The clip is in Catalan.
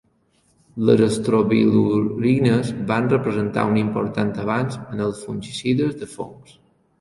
Les estrobilurines van representar un important avanç en els fungicides de fongs.